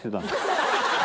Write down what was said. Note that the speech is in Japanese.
ハハハ